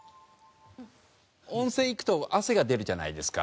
温泉行くと汗が出るじゃないですか。